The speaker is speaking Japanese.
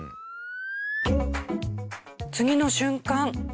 次の瞬間。